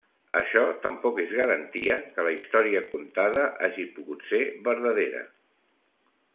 Això tampoc és garantia que la història contada hagi pogut ser verdadera.